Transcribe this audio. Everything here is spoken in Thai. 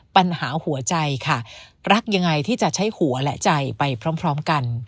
ปัญหาหัวใจค่ะรักยังไงที่จะใช้หัวและใจไปพร้อมกัน